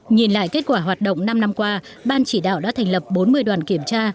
nhìn lại kết quả hoạt động năm năm qua ban chỉ đạo đã thành lập bốn mươi đoàn kiểm tra